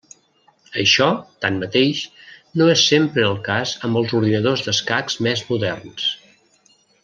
Això, tanmateix, no és sempre el cas amb els ordinadors d'escacs més moderns.